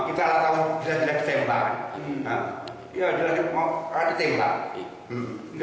kita tahu dia tidak ditembak